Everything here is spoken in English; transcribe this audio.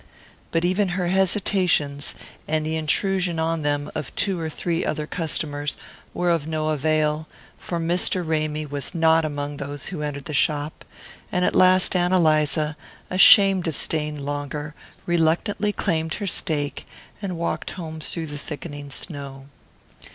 But even her hesitations, and the intrusion on them of two or three other customers, were of no avail, for Mr. Ramy was not among those who entered the shop; and at last Ann Eliza, ashamed of staying longer, reluctantly claimed her steak, and walked home through the thickening snow.